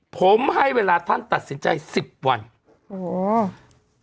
ผมให้เวลาท่านตัดสินใจสิบวันโอ้โห